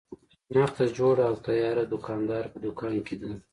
شنخته جوړه او تیاره د دوکاندار په دوکان کې ده.